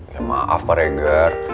ya maaf pak regar